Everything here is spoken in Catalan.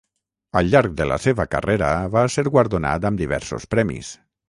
Al llarg de la seva carrera, va ser guardonat amb diversos premis.